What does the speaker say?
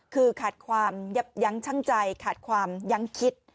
คือขาดความยับยั้งชั่งใจขาดความยั้งคิด